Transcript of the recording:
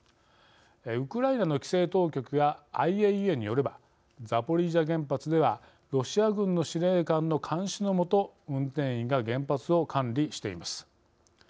ウクライナの規制当局やＩＡＥＡによればザポリージャ原発ではロシア軍の司令官の監視の下運転員が原発を管理しています。